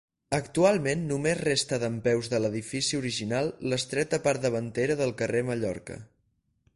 Actualment només resta dempeus de l'edifici original l'estreta part davantera del carrer Mallorca.